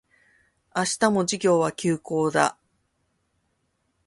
明日も授業は休講だ